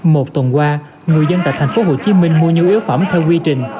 một tuần qua người dân tại tp hcm mua nhu yếu phẩm theo quy trình